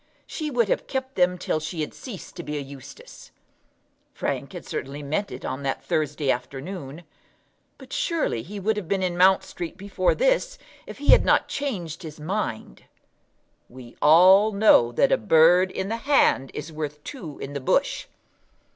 She would have kept them till she had ceased to be a Eustace. Frank had certainly meant it on that Thursday afternoon; but surely he would have been in Mount Street before this if he had not changed his mind. We all know that a bird in the hand is worth two in the bush.